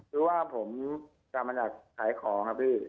คือว่าผมกลับมาจากขายของครับพี่